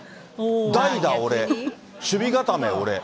代打、俺、守備固め、俺。